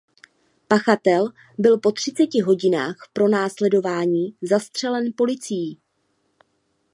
Pachatel byl po třiceti hodinách pronásledování zastřelen policií.